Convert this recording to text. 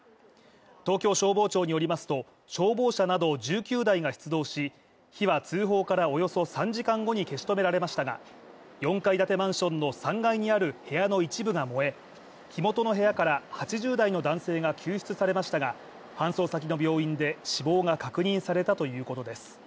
東京消防庁によりますと消防車など１９台が出動し火は通報からおよそ３時間後に消し止められましたが、４階建てマンションの３階にある部屋の一部が燃え、火元の部屋から８０代の男性が救出されましたが、搬送先の病院で死亡が確認されたということです。